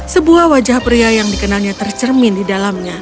sebuah wajah pria yang dikenalnya tercermin di dalamnya